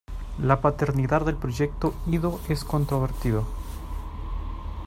La paternidad del proyecto Ido es controvertida.